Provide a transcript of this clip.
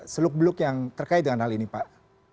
seluk beluk yang terkait dengan hal ini pak